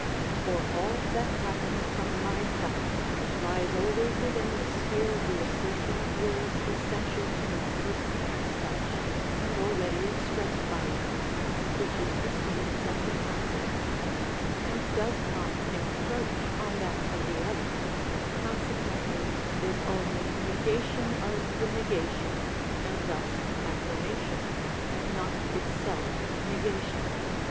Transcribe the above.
For all that happens from my side lies always within the sphere of the assertion of will essential to my person as such, and already expressed by it (which is the scene of the conflict), and does not encroach on that of the other, consequently is only negation of the negation, and thus affirmation, not itself negation.